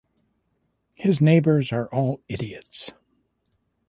His neighbors are all idiots.